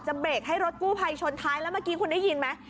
เบรกให้รถกู้ภัยชนท้ายแล้วเมื่อกี้คุณได้ยินไหม